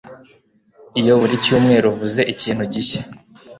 iyo buri cyumweru uvuze ikintu gishya